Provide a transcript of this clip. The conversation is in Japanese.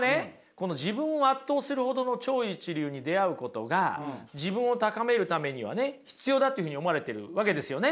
この自分を圧倒するほどの超一流に出会うことが自分を高めるためにはね必要だっていうふうに思われてるわけですよね。